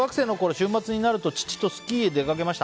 週末になると父へスキーへ出かけました。